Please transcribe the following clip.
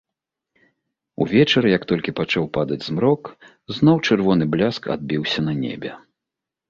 Увечар, як толькі пачаў падаць змрок, зноў чырвоны бляск адбіўся на небе.